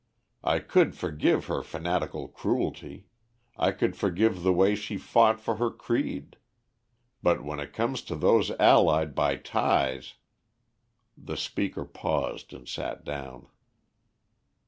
I could forgive her fanatical cruelty; I could forgive the way she fought for her creed. But when it comes to those allied by ties " The speaker paused and sat down.